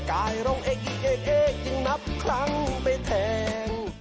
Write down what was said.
กายร้องเอยังนับครั้งไปแทง